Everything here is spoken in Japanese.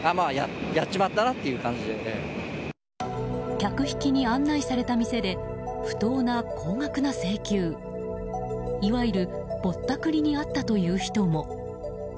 客引きに案内された店で不当な高額な請求いわゆるぼったくりに遭ったという人も。